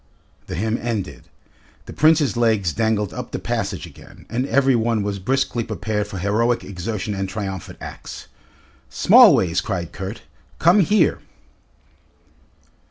The hymn ended. The Prince's legs dangled up the passage again, and every one was briskly prepared for heroic exertion and triumphant acts. "Smallways!" cried Kurt, "come here!"